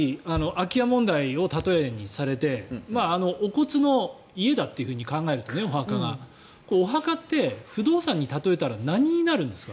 お話を伺いたいんですがさっき空き家問題を例えにされてお骨の家だって考えるとお墓って不動産に例えたら何になるんですか。